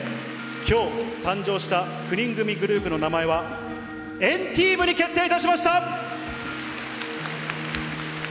きょう誕生した９人組グループの名前は、エンティームに決定いたしました！